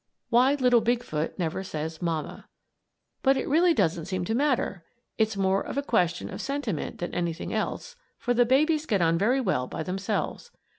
WHY LITTLE BIG FOOT NEVER SAYS "MAMMA" But it really doesn't seem to matter. It's more of a question of sentiment than anything else, for the babies get on very well by themselves.